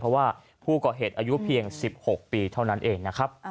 เพราะว่าผู้ก่อเหตุอายุเพียง๑๖ปีเท่านั้นเองนะครับ